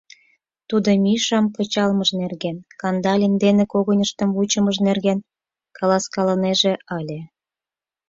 Тудо Мишам кычалмыж нерген, Кандалин дене когыньыштым вучымыж нерген каласкалынеже ыле.